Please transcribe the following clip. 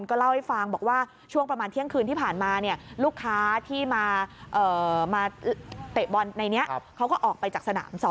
ก็เล่าให้ฟังบอกว่าช่วงประมาณเที่ยงคืนที่ผ่านมา